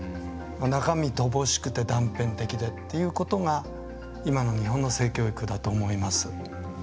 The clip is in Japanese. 中身、乏しくて断片的でっていうことが今の日本の性教育だと思います。